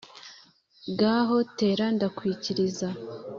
gaho tera ndakwikiriza.